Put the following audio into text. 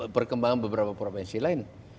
perkembangan beberapa provinsi lain